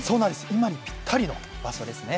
今にぴったりの場所ですね。